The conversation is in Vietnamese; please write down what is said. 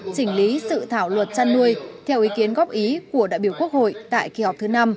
chỉnh lý sự thảo luật chăn nuôi theo ý kiến góp ý của đại biểu quốc hội tại kỳ họp thứ năm